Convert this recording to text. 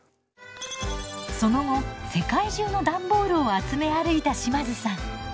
その後世界中の段ボールを集め歩いた島津さん。